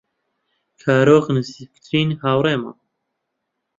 کارۆخ نزیکترین هاوڕێمە.